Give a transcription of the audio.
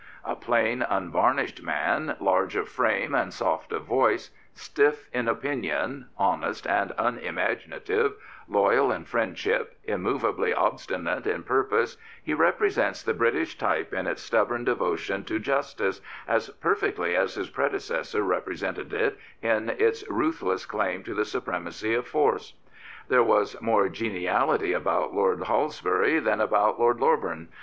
A plain, unvarnished man, large of frame and soft of voice, stiff in opinion, honest and unimaginative, loyal in friendship, immovably obstinate in purpose, he represents the British type in its stubborn devotion to justice as perfectly as his predecessor represented it in its ruthless claim to the supremacy of force. There was more geniality about Lord Halsbury than about Lord Loreburn.